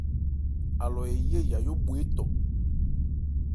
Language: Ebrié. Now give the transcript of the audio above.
Alɔ eyé yayó bhwe étɔ.